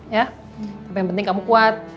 ya tapi yang penting kamu kuat